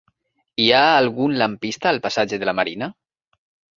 Hi ha algun lampista al passatge de la Marina?